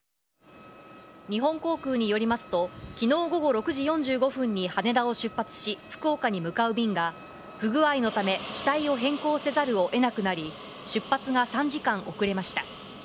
日本航空によりますと、きのう午後６時４５分に羽田を出発し、福岡に向かう便が、不具合のため機体を変更せざるをえなくなり、出発が３時間遅れました。